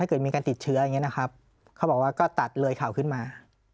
เกิดมีการติดเชื้ออย่างนี้นะครับเขาบอกว่าก็ตัดเลยข่าวขึ้นมา